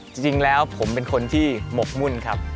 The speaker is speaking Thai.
จริงแล้วผมเป็นคนที่หมกมุ่นครับ